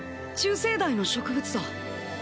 中生代の植物だ。